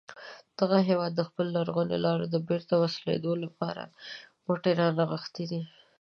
دغه هیواد د خپلو لرغونو لارو د بېرته وصلېدو لپاره مټې را نغښتې دي.